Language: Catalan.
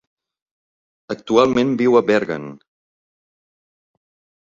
Actualment viu a Bergen.